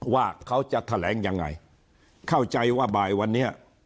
ว่าเขาจะแถลงยังไงเข้าใจว่าบ่ายวันนี้